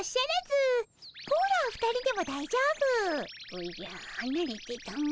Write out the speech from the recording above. おじゃはなれてたも。